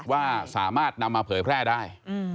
ว่าสามารถนำมาเผยแพร่ได้